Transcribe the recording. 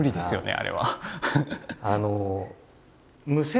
あれは。